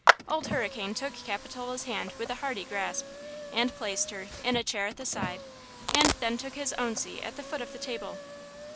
Old Hurricane took Capitola's hand with a hearty grasp, and placed her, in a chair at the side, and then took his own seat at the foot of the table.